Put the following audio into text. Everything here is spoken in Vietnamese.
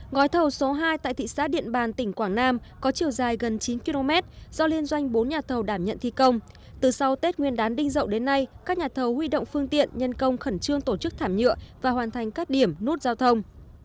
gói thầu số hai tại thị xã điện bàn tỉnh quảng nam có chiều dài gần chín km do liên doanh bốn nhà thầu đảm nhận thi công từ sau tết nguyên đán đinh dậu đến nay các nhà thầu huy động phương tiện nhân công khẩn trương tổ chức thảm nhựa và hoàn thành các điểm nút giao thông